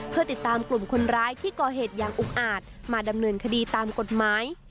เพื่อติดตามกลุ่มคนร้ายที่ก่อเหตุอย่างอุกอาจมาดำเนินคดีตามกฎหมาย